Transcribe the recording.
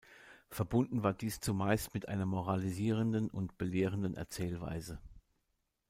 Verbunden war dies zumeist mit einer moralisierenden und belehrenden Erzählweise.